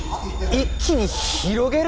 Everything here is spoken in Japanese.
一気に広げる！？